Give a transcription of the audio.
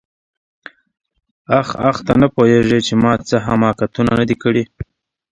آخ آخ ته نه پوهېږې چې ما څه حماقتونه نه دي کړي.